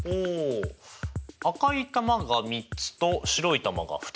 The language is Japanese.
赤い球が３つと白い球が２つ。